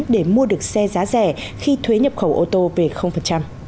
để mua được xe giá rẻ khi thuế nhập khẩu ô tô về